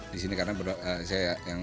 di sini karena saya yang bekerja di sini